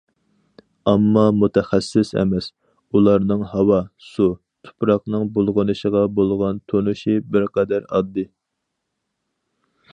ئامما مۇتەخەسسىس ئەمەس، ئۇلارنىڭ ھاۋا، سۇ، تۇپراقنىڭ بۇلغىنىشىغا بولغان تونۇشى بىر قەدەر ئاددىي.